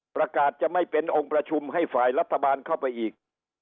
ประกาศจะไม่เป็นองค์ประชุมให้ฝ่ายรัฐบาลเข้าไปอีก